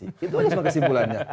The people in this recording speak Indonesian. itu aja kesimpulannya